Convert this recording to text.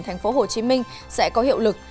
thành phố hồ chí minh sẽ có hiệu lực